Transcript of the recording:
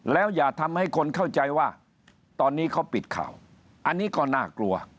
แล้วอย่าทำให้คนเข้าใจว่าตอนนี้เขาปิดข่าวอันนี้ก็น่ากลัว